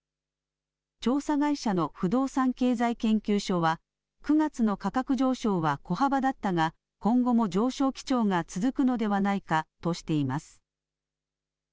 調査会社の不動産経済研究所は、９月の価格上昇は小幅だったが、今後も上昇基調が続くのではないかとしています。